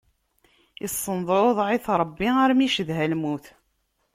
Issenḍuḍeɛ-it Ṛebbi armi iccedha lmut.